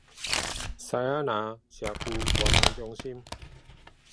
獅子林社區活動中心